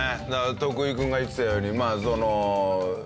徳井君が言ってたようにその。